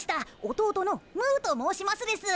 弟のムーと申しますです。